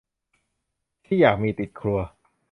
ที่อยากมีติดครัว